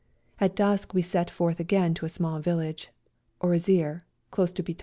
About dusk we set forth again to a small village, Orizir, close to Bitol.